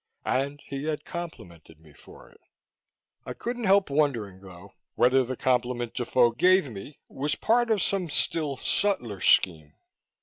And he had complimented me for it! I couldn't help wondering, though, whether the compliment Defoe gave me was part of some still subtler scheme....